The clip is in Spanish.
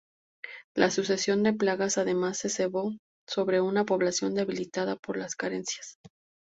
La sucesión de plagas, además, se cebó sobre una población debilitada por las carencias.